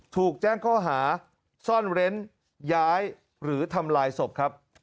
ถูกแจ้งข้อหาซ่อนเร้นย้ายหรือทำลายศพครับ